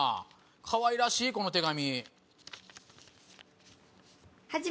かわいらしいこの手紙。